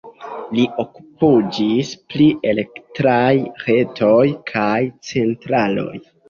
Li okupiĝis pri elektraj retoj kaj centraloj.